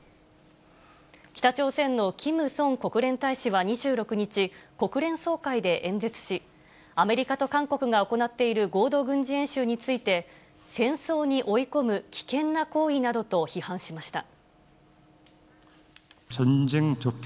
北朝鮮のキム・ソン国連大使は２６日、国連総会で演説し、アメリカと韓国が行っている合同軍事演習について、戦争に追い込む危険な行為などと批判しました。